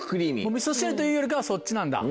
みそ汁というよりかはそっちなんだ。